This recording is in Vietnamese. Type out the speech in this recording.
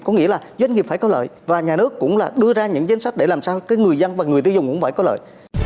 có nghĩa là doanh nghiệp phải có lợi và nhà nước cũng là đưa ra những chính sách để làm sao người dân và người tiêu dùng cũng phải có lợi